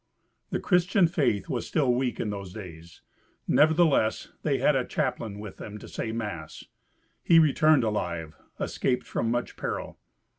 The Christian faith was still weak in those days. Nevertheless they had a chaplain with them to say mass. He returned alive, escaped from much peril.